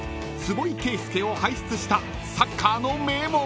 坪井慶介を輩出したサッカーの名門］